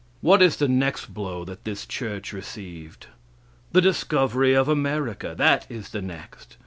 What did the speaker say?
What is the next blow that that this church received? The discovery of America. That is the next.